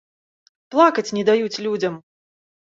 Плакаць не даюць людзям!